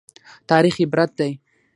تاریخ عبرت دی